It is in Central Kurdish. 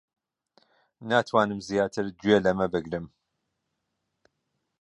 ناتوانم زیاتر گوێ لەمە بگرم.